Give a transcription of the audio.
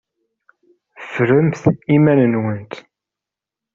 Ffremt iman-nwent!